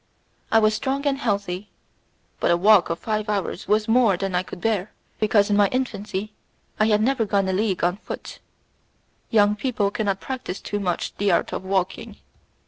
I was strong and healthy, but a walk of five hours was more than I could bear, because in my infancy I had never gone a league on foot. Young people cannot practise too much the art of walking.